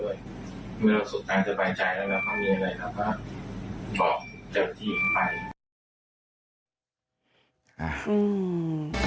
ก็บอกเจอที่ไป